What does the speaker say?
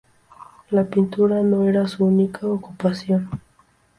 La pintura no era su única ocupación.